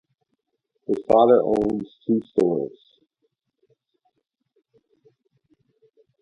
His father owns two stores.